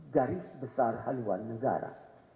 garis besar haluan negara